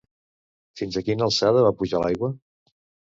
Fins a quina alçada va pujar l'aigua?